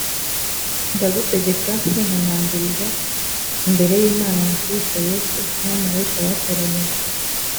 ndagutegeka nkwihanangiriza imbere y imana na kristo yesu n abamarayika batoranyijwe